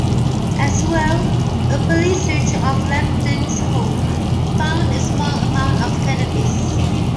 As well, a police search of Lambton's home found a small amount of cannabis.